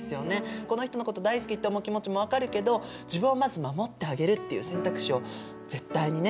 この人のこと大好きって思う気持ちも分かるけど自分をまず守ってあげるっていう選択肢を絶対にね忘れてはいけないようにね。